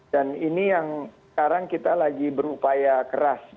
dan ini yang sekarang kita lagi berupaya keras